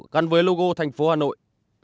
gắn với logo thành phố hà nội